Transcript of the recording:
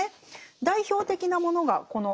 代表的なものがこの２つです。